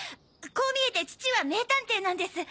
こう見えて父は名探偵なんです。